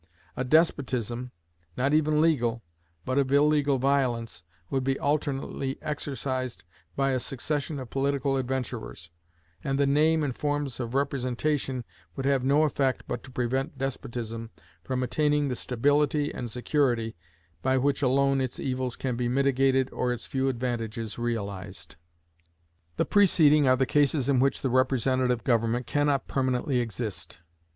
A despotism, not even legal, but of illegal violence, would be alternately exercised by a succession of political adventurers, and the name and forms of representation would have no effect but to prevent despotism from attaining the stability and security by which alone its evils can be mitigated or its few advantages realized. The preceding are the cases in which representative government can not permanently exist.